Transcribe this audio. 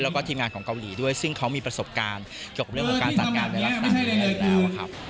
แล้วก็ทีมงานของเกาหลีด้วยซึ่งเขามีประสบการณ์เกี่ยวกับเรื่องของการจัดงานในลักษณะนี้อยู่แล้วครับ